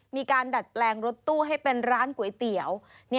มีการดัดแปลงรถตู้ให้เป็นร้านก๋วยเตี๋ยว